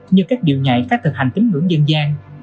như các điệu nhạy các thực hành tính ngưỡng dân gian